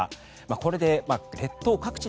これで列島各地